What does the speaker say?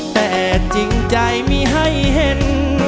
แต่จริงใจมีให้เห็น